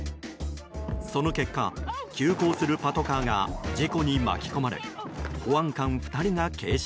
その結果、急行するパトカーが事故に巻き込まれ保安官２人が軽傷。